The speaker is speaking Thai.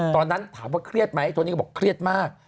ตอนนั้นถามว่าเครียดไหมโทนี่ก็บอกเครียดมาก